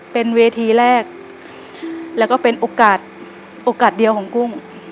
เป็นเวทีแรกแล้วก็เป็นโอกาสโอกาสเดียวของกุ้ง